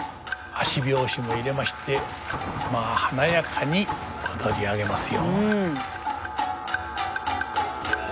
足拍子も入れましてまあ華やかに踊り上げますよ。